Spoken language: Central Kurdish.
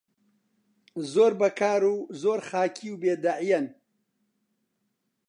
زۆر بەکار و زۆر خاکی و بێدەعیەن